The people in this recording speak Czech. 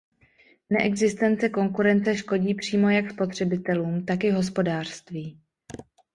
Neexistence konkurence škodí přímo jak spotřebitelům, tak i hospodářství.